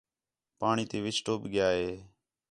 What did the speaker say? پاݨی تی وِِچ ٹُٻ ڳِیا ہِے